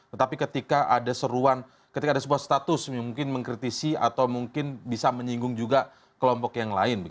tetapi ketika ada seruan ketika ada sebuah status mungkin mengkritisi atau mungkin bisa menyinggung juga kelompok yang lain